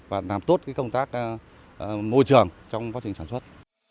và làm tốt công tác môi trường trong quá trình sản xuất